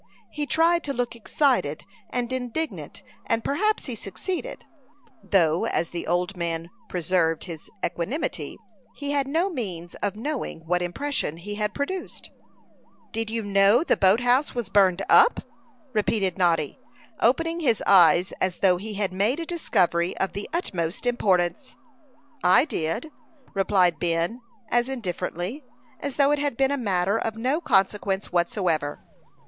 He tried to look excited and indignant, and perhaps he succeeded; though, as the old man preserved his equanimity, he had no means of knowing what impression he had produced. "Did you know the boat house was burned up?" repeated Noddy, opening his eyes as though he had made a discovery of the utmost importance. "I did," replied Ben, as indifferently as though it had been a matter of no consequence whatever.